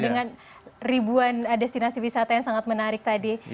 dengan ribuan destinasi wisata yang sangat menarik tadi